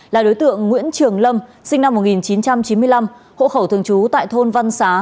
là đối tượng nguyễn trường lâm sinh năm một nghìn chín trăm chín mươi năm hộ khẩu thường trú tại thôn văn xá